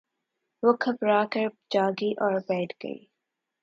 وہ گھبرا کر جاگی اور بیٹھ گئی